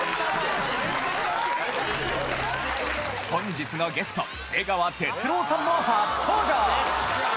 本日のゲスト出川哲朗さんの初登場